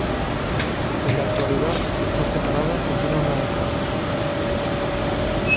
En la actualidad está separada y tiene una hija.